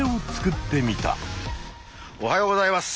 おはようございます！